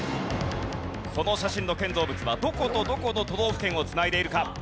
この写真の建造物はどことどこの都道府県を繋いでいるか？